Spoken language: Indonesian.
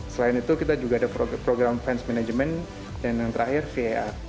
selain itu kita juga ada program fans management dan yang terakhir var